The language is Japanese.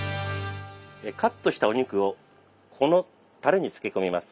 カットしたお肉をこのたれに漬け込みます。